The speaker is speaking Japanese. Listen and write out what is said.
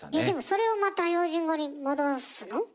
でもそれをまた標準語に戻すの？